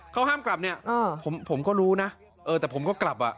เขาห้ามกลับเนี่ยผมก็รู้แต่ผมก็กลับ